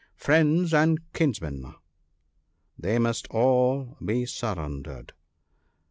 Friends and kinsmen — they must all be surrendered